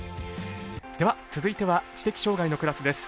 では、続いては知的障がいのクラスです。